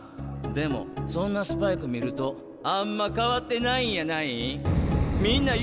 でもそんなスパイク見るとあんま変わってないんやないん？